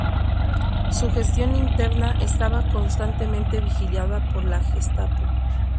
Su gestión interna estaba constantemente vigilada por la Gestapo.